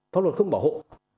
pháp luật không bảo hộ